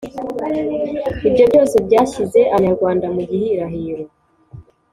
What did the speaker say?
ibyo byose byashyize Abanyarwanda mu gihirahiro.